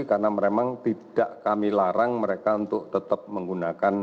karena memang tidak kami larang mereka untuk tetap menggunakan smartphone nya